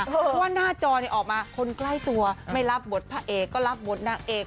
เพราะว่าหน้าจอออกมาคนใกล้ตัวไม่รับบทพระเอกก็รับบทนางเอก